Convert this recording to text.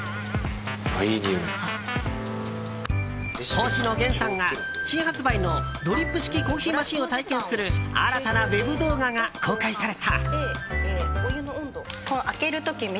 星野源さんが、新発売のドリップ式コーヒーマシンを体験する新たなウェブ動画が公開された。